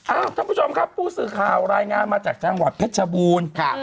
ท่านผู้ชมครับผู้สื่อข่าวรายงานมาจากจังหวัดเพชรชบูรณ์